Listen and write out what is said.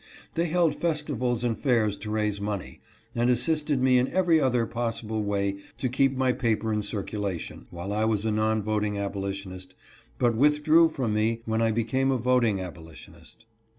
They held festivals and fairs to raise money, and assisted me in every other possible way to keep my paper in circulation, while I was a non voting abolitionist, but withdrew from me when I became a voting abolitionist.